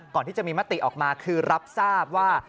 ก่อนที่จะมีมติออกมาคือรับทราบว่า